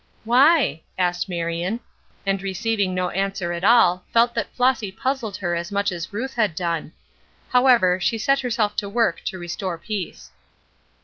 "Why?" asked Marion, and receiving no answer at all felt that Flossy puzzled her as much as Ruth had done. However, she set herself to work to restore peace.